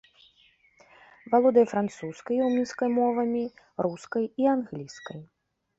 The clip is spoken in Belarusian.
Валодае французскай і румынскай мовамі, рускай і англійскай.